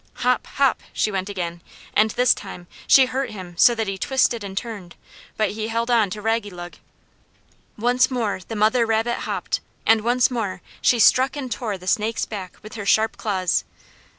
Hop! hop! she went again, and this time she hurt him so that he twisted and turned; but he held on to Raggylug. Once more the mother rabbit hopped, and once more she struck and tore the snake's back with her sharp claws.